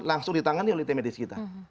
langsung ditangani oleh tim medis kita